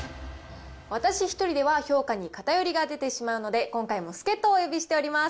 私１人では評価に偏りが出てしまうので、今回も助っとをお呼びしております。